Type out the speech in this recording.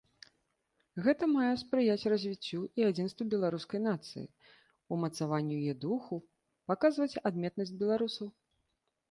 Гэта мае спрыяць развіццю і адзінству беларускай нацыі, умацаванню яе духу, паказваць адметнасць беларусаў.